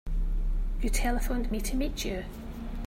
You telephoned me to meet you.